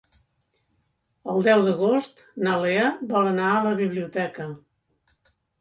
El deu d'agost na Lea vol anar a la biblioteca.